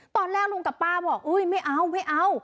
ตอนแรกลุงกับป้าบอกไม่เอาไม่เอา